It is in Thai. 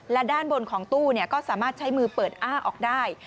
และด้านบนของตู้ก็สามารถใช้มือเปิดอ้าออกได้